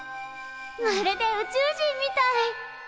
まるで宇宙人みたい。